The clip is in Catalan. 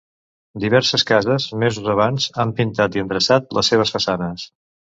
Diverses cases, mesos abans, han pintat i endreçat les seves façanes.